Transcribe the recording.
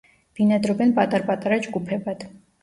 ბინადრობენ პატარ-პატარა ჯგუფებად.